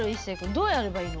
どうやればいいの？